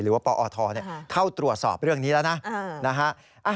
หรือว่าปอเนี่ยเข้าตรวจสอบเรื่องนี้แล้วนะนะฮะ